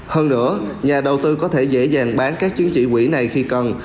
hơn nữa nhà đầu tư có thể dễ dàng bán các chứng chỉ quỹ này khi cần